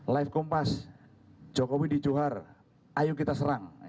live kompas jokowi di johar ayo kita serang